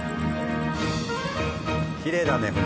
きれいだね船。